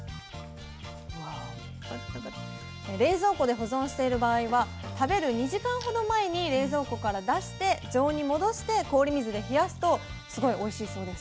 冷蔵庫で保存している場合は食べる２時間ほど前に冷蔵庫から出して常温に戻して氷水で冷やすとすごいおいしいそうです。